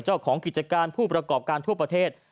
เจ้าของกิจการผู้ประกอบการทั่วประเทศ